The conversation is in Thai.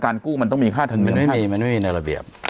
กู้มันต้องมีค่าธรรมเนียมไม่มีมันไม่มีในระเบียบ